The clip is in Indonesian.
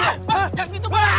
pak jangan gitu pak